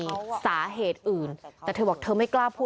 พวกมันต้องกินกันพี่